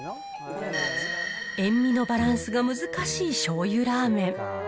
塩味のバランスが難しいしょうゆラーメン。